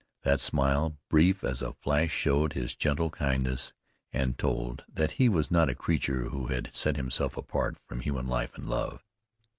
That smile, brief as a flash, showed his gentle kindness and told that he was not a creature who had set himself apart from human life and love.